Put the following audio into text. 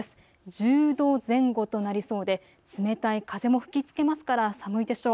１０度前後となりそうで冷たい風も吹きつけますから寒いでしょう。